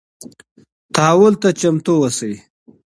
تحول ته چمتو اوسئ.